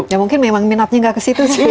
ya mungkin memang minatnya nggak ke situ sih